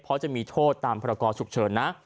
เพราะจะมีโทษตามพรกรฉุกเฉินนะ